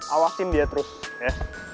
awasin dia terus ya